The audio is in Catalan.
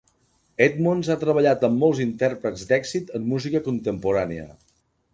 Edmonds ha treballat amb molts intèrprets d'èxit en música contemporània.